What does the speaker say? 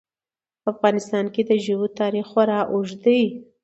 په افغانستان کې د ژبو تاریخ خورا اوږد دی.